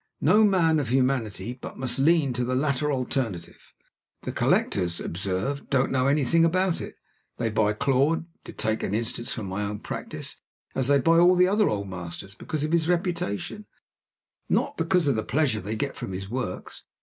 No man of humanity but must lean to the latter alternative. The collectors, observe, don't know anything about it they buy Claude (to take an instance from my own practice) as they buy all the other Old Masters, because of his reputation, not because of the pleasure they get from his works.